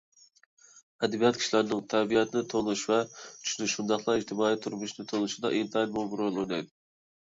ئەدەبىيات كىشىلەرنىڭ تەبىئەتنى تونۇشى ۋە چۈشىنىشى، شۇنداقلا ئىجتىمائىي تۇرمۇشنى تونۇشىدا ئىنتايىن مۇھىم رول ئوينايدۇ.